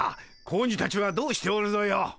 子鬼たちはどうしておるぞよ。